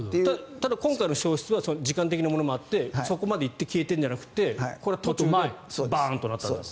ただ、今回の消失は時間的なものもあってそこまで行って消えているんではなくてこれは途中でバーンとなった。